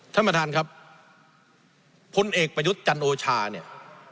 ท่านประธานครับพลเอกประยุทธ์จันโอชาเนี่ย